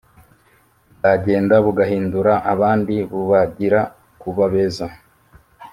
bwagenda bugahindura abandi bubagira kuba beza